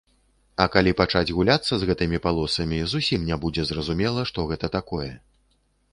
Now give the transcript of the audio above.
А калі пачаць гуляцца з гэтымі палосамі, зусім не будзе зразумела, што гэта такое.